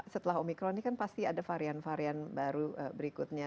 setelah omikron ini kan pasti ada varian varian baru berikutnya